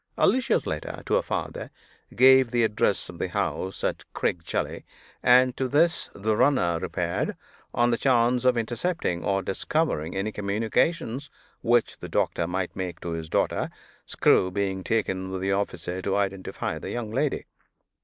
Alicia's letter to her father gave the address of the house at Crickgelly; and to this the runner repaired, on the chance of intercepting or discovering any communications which the doctor might make to his daughter, Screw being taken with the officer to identify the young lady.